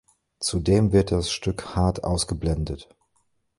Zudem wird das Stück hart ausgeblendet.